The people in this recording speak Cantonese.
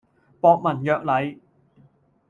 博文約禮